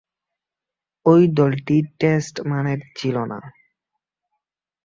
ঐ দলটি টেস্ট মানের ছিল না।